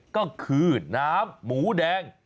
ก็คือน้ำหมูแดง